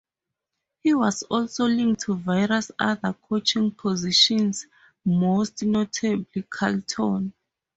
He was also linked to various other coaching positions, most notably Carlton.